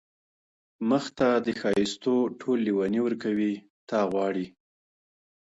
• مخ ته د ښايستو ټول ليوني وركوي تا غـــــواړي.